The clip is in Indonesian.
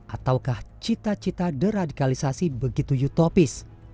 ataukah cita cita deradikalisasi begitu utopis